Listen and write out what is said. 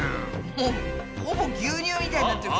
もうほぼ牛乳みたいになってる。